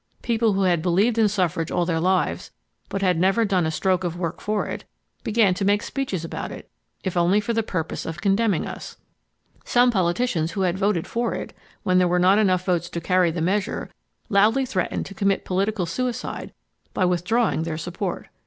People who had believed in suffrage all their lives, but had never done a, stroke of work for it, began to make speeches about it, if only for the purpose of condemning us. Some politicians who had voted for it when there were not enough votes to carry the measure loudly threatened to commit political suicide by withdrawing their support.